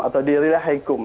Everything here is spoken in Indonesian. atau di ilahe ilaheikum